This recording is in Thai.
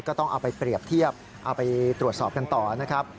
ก็ต้องเอาไปเปรียบเทียบเอาไปตรวจสอบกันต่อนะครับ